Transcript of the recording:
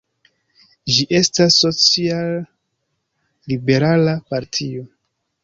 Ĝi estas social-liberala partio.